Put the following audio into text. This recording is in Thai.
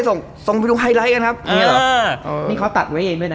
ส่งส่งไปอยู่ไฮไลท์กันครับอ่าแบบนี้เพราะตัดไว้เองด้วยนะ